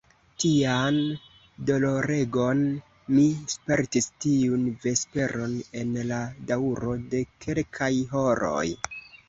Tian doloregon mi spertis tiun vesperon en la daŭro de kelkaj horoj.